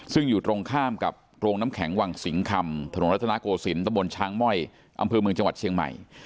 ซึ่งอยู่ตรงข้ามกับโรงน้ำแข็งวังสิงคำถนนรัฐนาโกศิลปะบนช้างม่อยอำเภอเมืองจังหวัดเชียงใหม่